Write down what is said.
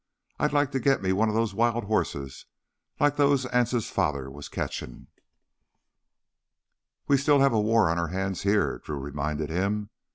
I'd like to get me one of those wild horses like those Anse's father was catchin'." "We still have a war on our hands here," Drew reminded him.